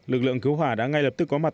lực lượng cứu hỏa đã ngay lập tức có mặt